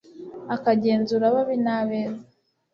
akagenzura ababi n'abeza